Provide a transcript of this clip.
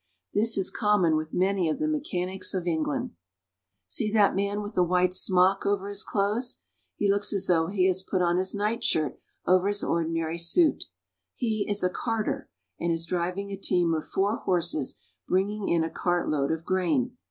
This is common with many of the mechanics of England. MANUFACTURING ENGLAND. 55 See that man with the white smock over his clothes. He looks as though he had put on his nightshirt over his ordi nary suit. He is a carter, and is driving a team of four horses bringing in a cartload of grain.